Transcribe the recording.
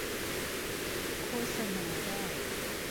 โฆษณาได้